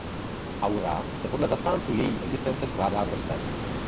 Aura se podle zastánců její existence skládá z vrstev.